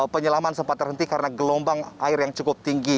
penyelaman sempat terhenti karena gelombang air yang cukup tinggi